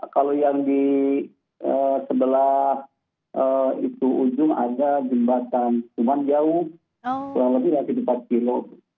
kalau yang di sebelah itu ujung ada jembatan cuma jauh kurang lebih dari empat kilo